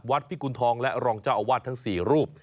พิกุณฑองและรองเจ้าอาวาสทั้ง๔รูป